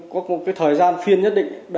có một thời gian phiên nhất định